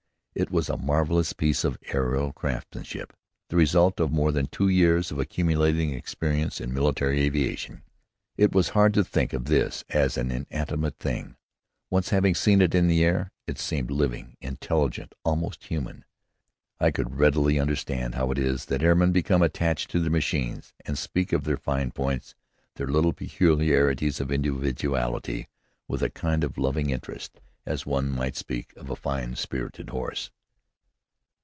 It was a marvelous piece of aero craftsmanship, the result of more than two years of accumulating experience in military aviation. It was hard to think of it as an inanimate thing, once having seen it in the air. It seemed living, intelligent, almost human. I could readily understand how it is that airmen become attached to their machines and speak of their fine points, their little peculiarities of individuality, with a kind of loving interest, as one might speak of a fine spirited horse.